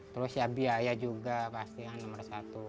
terus ya biaya juga pastinya nomor satu